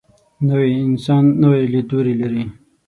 نوی انسان نوی لیدلوری لري